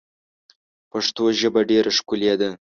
پښتو ژبه ډیر ښکلی ده.